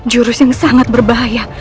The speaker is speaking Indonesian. jurus yang sangat berbahaya